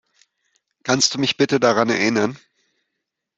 Kannst du mich bitte daran erinnern?